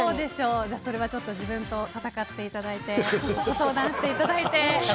それはちょっと自分と戦っていただいてご相談していただいて。